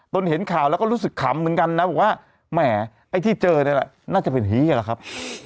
เห็นข่าวแล้วก็รู้สึกขำเหมือนกันนะบอกว่าแหมไอ้ที่เจอนั่นแหละน่าจะเป็นฮีแหละครับ